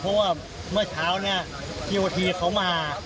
เพราะว่าเมื่อเช้าทีวันที่เขามา